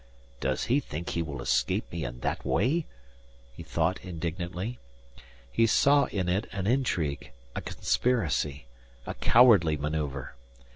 "Does he think he will escape me in that way?" he thought indignantly. He saw in it an intrigue, a conspiracy, a cowardly manoeuvre.